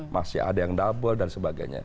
masih ada yang double dan sebagainya